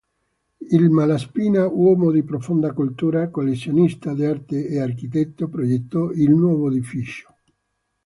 Il Malaspina, uomo di profonda cultura, collezionista d'arte e architetto, progettò il nuovo edificio.